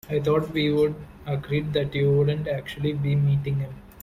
I thought we'd agreed that you wouldn't actually be meeting him?